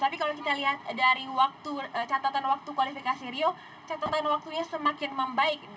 tapi kalau kita lihat dari catatan waktu kualifikasi rio catatan waktunya semakin membaik